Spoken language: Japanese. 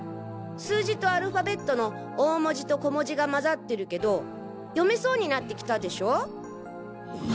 数字とアルファベットの大文字と小文字が混ざってるけど読めそうになってきたでしょ？